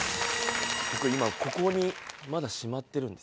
僕今ここにまだしまってるんですよ。